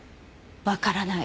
わからない。